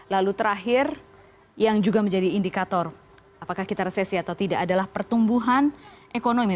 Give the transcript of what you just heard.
lalu terakhir yang juga menjadi indikator apakah kita resesi atau tidak adalah pertumbuhan ekonomi